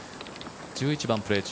１１番、プレー中。